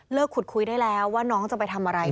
ขุดคุยได้แล้วว่าน้องจะไปทำอะไร